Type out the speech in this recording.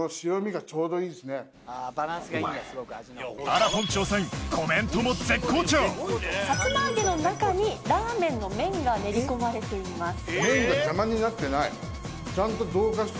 あらぽん調査員さつま揚げの中にラーメンの麺が練り込まれています。